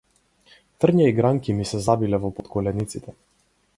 Трња и гранки ми се забиле во потколениците.